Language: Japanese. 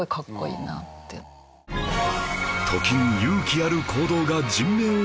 時に勇気ある行動が人命を救う事も